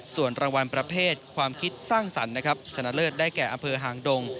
ส่วนรางวัลประเภทความคิดสร้างสรรค์นะครับชนะเลิศได้แก่อำเภอหางดง